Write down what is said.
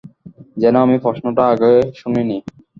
যেন আমি প্রশ্নটা আগে শুনিনি।